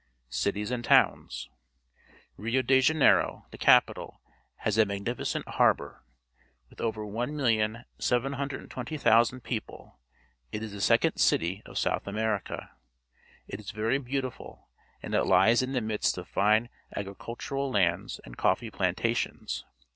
Cities and Towns. — Rio de Janeiro, the capital, has a magnificent harbour. With over 1,720,000 people, it is the second city of South America. It is very beautiful, and it Ues in the midst of fine agricultural lands and coffee plantations.